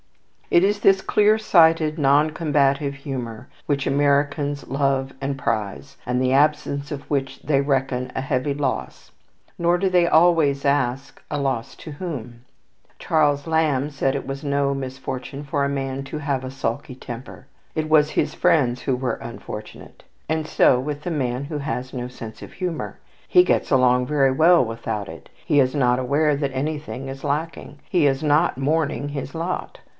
It is this clear sighted, non combative humour which Americans love and prize, and the absence of which they reckon a heavy loss. Nor do they always ask, "a loss to whom?" Charles Lamb said it was no misfortune for a man to have a sulky temper. It was his friends who were unfortunate. And so with the man who has no sense of humour. He gets along very well without it. He is not aware that anything is lacking. He is not mourning his lot.